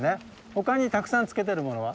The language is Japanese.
他にたくさんつけてるものは？